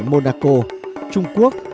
monaco trung quốc